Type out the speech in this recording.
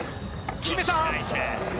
決めた！